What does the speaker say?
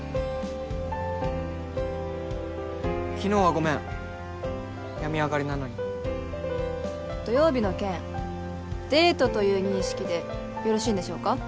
昨日はごめん病み上がりなのに土曜日の件デートという認識でよろしいんでしょうか？